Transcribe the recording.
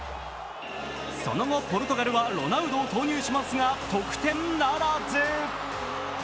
その後、ポルトガルはロナウドを投入しますが、得点ならず。